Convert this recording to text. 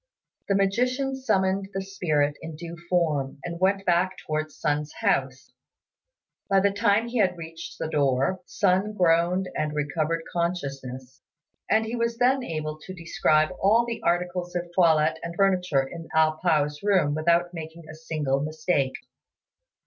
The magician summoned the spirit in due form, and went back towards Sun's house. By the time he had reached the door, Sun groaned and recovered consciousness; and he was then able to describe all the articles of toilette and furniture in A pao's room without making a single mistake.